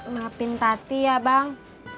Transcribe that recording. maafin tati ya bang